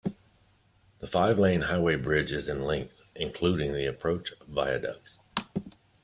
The five-lane highway bridge is in length, including the approach viaducts.